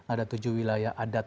ada tujuh wilayah adat